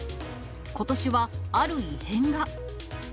ことしはある異変が。